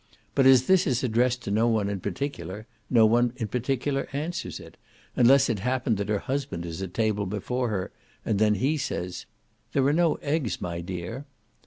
But as this is addressed to no one in particular, no one in particular answers it, unless it happen that her husband is at table before her, and then he says, "There are no eggs, my dear."